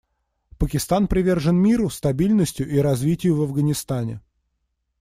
Пакистан привержен миру, стабильности и развитию в Афганистане.